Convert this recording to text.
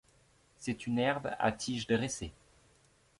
C'est une herbe à tige dressée.